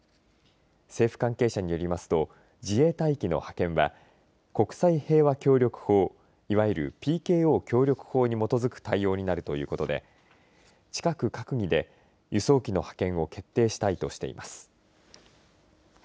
政府関係者によりますと自衛隊機の派遣は国際平和協力法いわゆるＰＫＯ協力法に基づく対応になるということで近く閣議で輸送機の派遣を決定したいとしています。